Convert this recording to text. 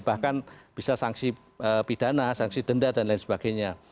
bahkan bisa sangsi pidana sangsi denda dan lain sebagainya